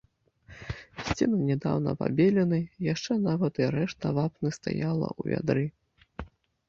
Сцены нядаўна пабелены, яшчэ нават і рэшта вапны стаяла ў вядры.